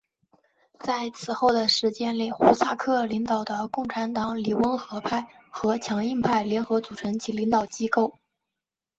在此后的时间里胡萨克领导的共产党里温和派和强硬派联合组成其领导机构。